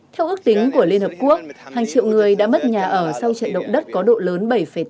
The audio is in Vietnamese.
theo ước tính của liên hợp quốc hàng triệu người đã mất nhà ở sau trận động đất có độ lớn bảy tám